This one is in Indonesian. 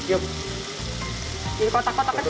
di kotak kotak kecil gitu ya